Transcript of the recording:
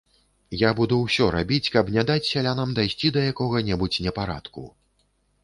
Я буду ўсё рабіць, каб не даць сялянам дайсці да якога-небудзь непарадку.